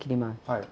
はい。